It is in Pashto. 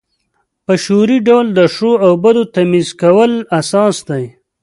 په شعوري ډول د ښو او بدو تمیز کول اساس دی.